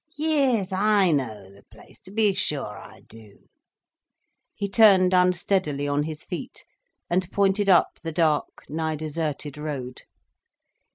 Yis, I know the place, to be sure I do—" He turned unsteadily on his feet, and pointed up the dark, nigh deserted road.